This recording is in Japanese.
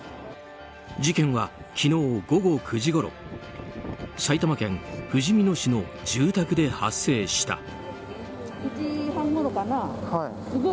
事件は、昨日午後９時ごろ埼玉県ふじみ野市の住宅で発生した。